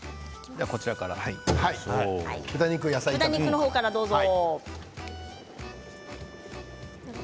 豚肉の方からどうぞ。